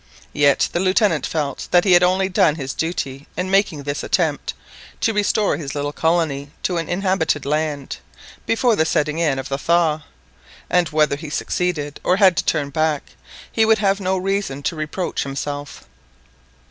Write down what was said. Yet the Lieutenant felt that he had only done his duty in making this attempt to restore his little colony to an inhabited land, before the setting in of the thaw, and whether he succeeded or had to turn back he would have no reason to reproach himself.